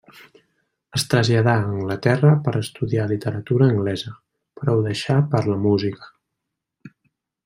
Es traslladà a Anglaterra per estudiar literatura anglesa, però ho deixà per la música.